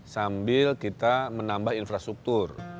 sambil kita menambah infrastruktur